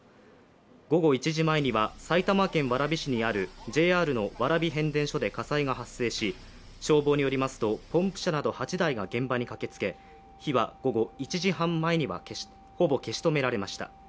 午後１時前には埼玉県蕨市にあるＪＲの蕨変電所で火災が発生し消防によりますと、ポンプ車など８台が現場に駆けつけ火は午後１時半前にはほぼ消し止められました。